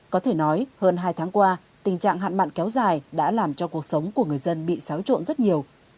có thể nói hơn hai tháng qua tình trạng hạn mặn kéo dài đã làm cho cuộc sống của người dân bị xáo trộn rất nhiều